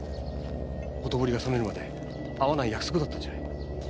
ほとぼりが冷めるまで会わない約束だったじゃない。